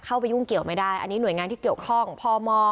เข้าไปยุ่งเกี่ยวไม่ได้อันนี้หน่วยงานที่เกี่ยวข้องพม